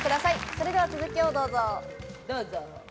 それでは続きをどうぞ。